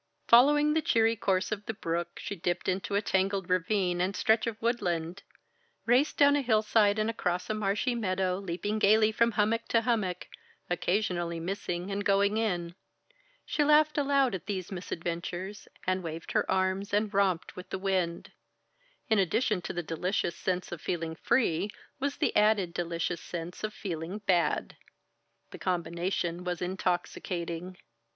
Following the cheery course of the brook, she dipped into a tangled ravine and stretch of woodland, raced down a hillside and across a marshy meadow, leaping gaily from hummock to hummock occasionally missing and going in. She laughed aloud at these misadventures, and waved her arms and romped with the wind. In addition to the delicious sense of feeling free, was added the delicious sense of feeling bad. The combination was intoxicating.